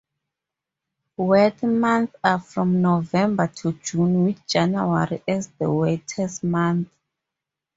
Wet months are from November to June with January as the wettest month.